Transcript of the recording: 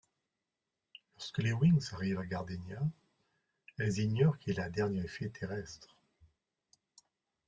Lorsque les Winx arrivent à Gardénia, elles ignorent qui est la dernière fée terrestre.